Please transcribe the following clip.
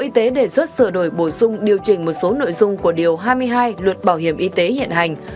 bộ y tế đề xuất sửa đổi bổ sung điều chỉnh một số nội dung của điều hai mươi hai luật bảo hiểm y tế hiện hành